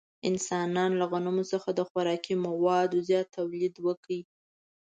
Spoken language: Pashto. انسانانو له غنمو څخه د خوراکي موادو زیات تولید وکړ.